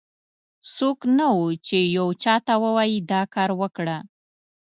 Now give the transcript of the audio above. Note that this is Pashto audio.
څوک نه و، چې یو چا ته ووایي دا کار وکړه.